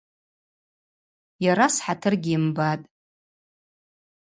Йара схӏатыр гьйымбатӏ.